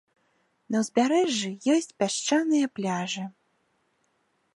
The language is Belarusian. На ўзбярэжжы ёсць пясчаныя пляжы.